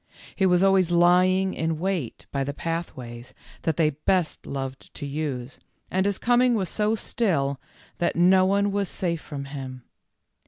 He was always lying in wait by the pathways that they best loved to use, and his coming was so still that no one was safe from him.